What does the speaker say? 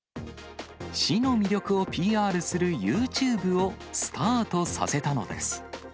市の魅力をＰＲするユーチューブをスタートさせたのです。